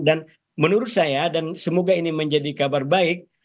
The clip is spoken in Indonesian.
dan menurut saya dan semoga ini menjadi kabar baik